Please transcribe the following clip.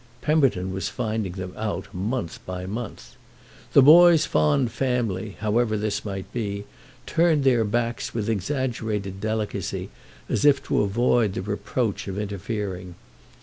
Pemberton was finding them out month by month. The boy's fond family, however this might be, turned their backs with exaggerated delicacy, as if to avoid the reproach of interfering.